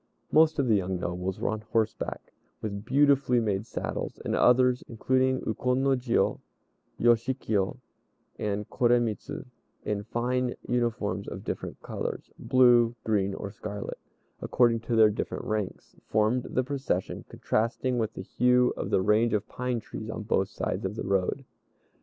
Most of the young nobles were on horseback, with beautifully made saddles; and others, including Ukon no Jiô, Yoshikiyo, and Koremitz, in fine uniforms of different colors (blue, green, or scarlet), according to their different ranks, formed the procession, contrasting with the hue of the range of pine trees on both sides of the road.